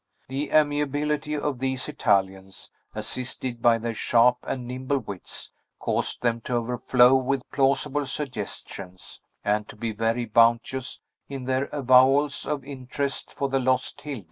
The amiability of these Italians, assisted by their sharp and nimble wits, caused them to overflow with plausible suggestions, and to be very bounteous in their avowals of interest for the lost Hilda.